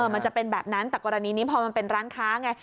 มันจะเป็นแบบนั้นแต่กรณีนี้พอมันเป็นร้านค้าไง